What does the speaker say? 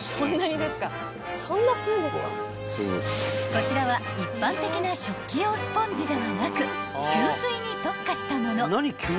［こちらは一般的な食器用スポンジではなく吸水に特化したもの］